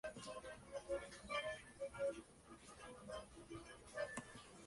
Se conservan otras tablas suyas en la isla.